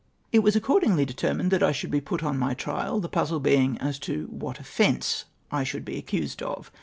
It was accordingly determined that I should be put on my trial, the puzzle being as to what offence I should be accused of.